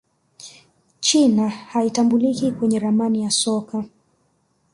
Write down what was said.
china haitambuliki kwenye ramani ya soka